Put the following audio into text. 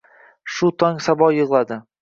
Shu tong sabo yig’ladi